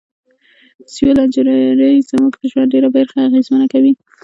سیول انجنیری زموږ د ژوند ډیره برخه اغیزمنه کوي.